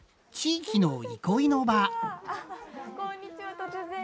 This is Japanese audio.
突然。